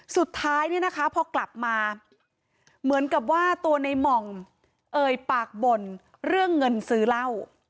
สุดท้ายเนี่ยนะคะพอกลับมาเหมือนกับว่าตัวในหม่องเอ่ยปากบ่นเรื่องเงินซื้อเหล้า